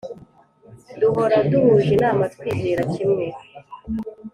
duhora duhuj’ inama, twizera kimwe